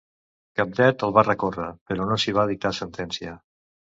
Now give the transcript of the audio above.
Cabdet el va recórrer, però no s'hi va dictar sentència.